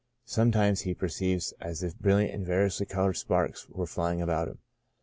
Sometimes he perceives as if brilliant and variously colored sparks were flying about him.